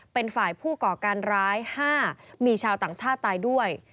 เป็นฝ่ายผู้ก่อการร้าย๕มีชาวต่างชาติตายด้วย